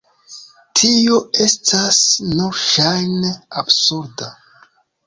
Tio estas nur ŝajne absurda.